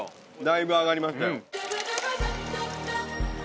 だいぶ上がりましたよ。